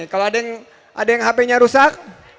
kalau ada yang hp nya rusak